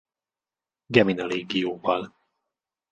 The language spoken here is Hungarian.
Gemina légióval.